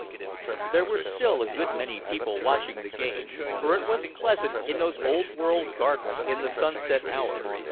There were still a good many people watching the game, for it was pleasant in those old world gardens in the sunset hour.